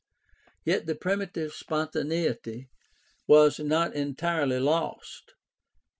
Yet the primitive spontaneity was not entirely lost.